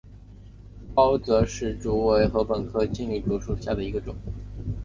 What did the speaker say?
包箨矢竹为禾本科青篱竹属下的一个种。